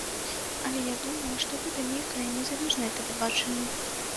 Але я думала, што гэта нейкае незалежнае тэлебачанне.